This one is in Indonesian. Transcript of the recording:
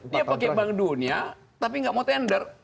dia pakai bank dunia tapi nggak mau tender